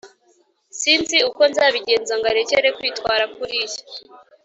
sinzi uko nzabigenza ngo arekere kwitwara kuriya